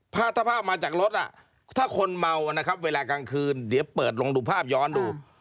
ถ้าภาพมาจากรถถ้าคนเมานะครับเวลากลางคืนเดี๋ยวเปิดลงดูภาพย้อนดู